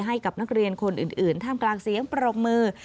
ให้กับนักเรียนคนอื่นท่ามกลางเสียงปรบมือ